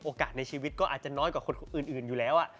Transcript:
ในชีวิตก็อาจจะน้อยกว่าคนอื่นอยู่แล้ว